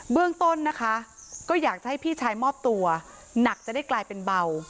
เรื่องต้นนะคะก็อยากจะให้พี่ชายมอบตัวหนักจะได้กลายเป็นเบา